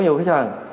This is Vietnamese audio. nhiều khách hàng